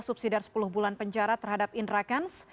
subsidi dari sepuluh bulan penjara terhadap indra kents